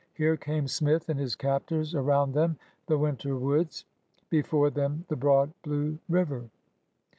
Here came Smith and his captors, aroimd them the winter woods, before them the broad blue river.